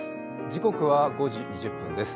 時刻は５時２０分です。